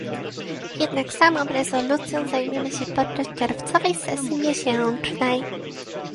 Jednak samą rezolucją zajmiemy się podczas czerwcowej sesji miesięcznej